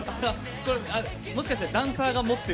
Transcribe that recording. これ、もしかしてダンサーが持ってる？